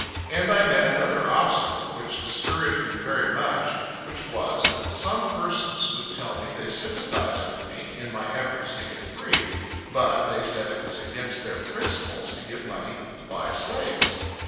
And I met another obstacle, which discouraged me very much; which was, that some persons would tell me they sympathized with me, in my efforts to get free; but they said it was against their principles to give money, to buy slaves.